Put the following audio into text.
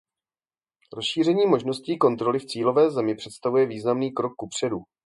Rozšíření možností kontroly v cílové zemi představuje významný krok kupředu.